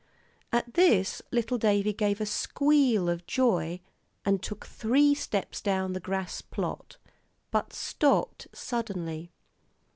At this little Davie gave a squeal of joy, and took three steps down the grass plot, but stopped suddenly.